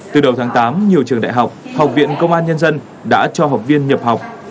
từ đầu tháng tám nhiều trường đại học học viện công an nhân dân đã cho học viên nhập học